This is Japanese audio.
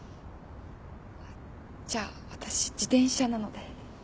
じゃあ私自転車なので。